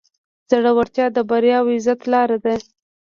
زړورتیا د بریا او عزت لاره ده.